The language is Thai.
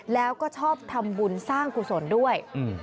แล้วก็ชอบทำบุญสร้างกุศลด้วย